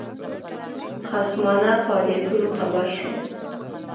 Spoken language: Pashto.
خصمانه فعالیتونو خبر شو.